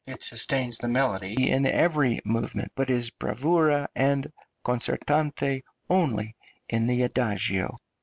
it sustains the melody in every movement, but is bravura and concertante only in the adagio.